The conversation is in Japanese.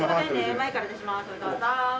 前から出しますどうぞ。